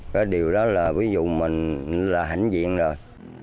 cái điều đó là ví dụ mình là hãnh diện rồi